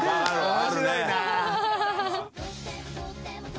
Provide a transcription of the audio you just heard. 面白いな。